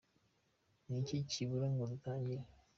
Niki kibura ngo dutangire?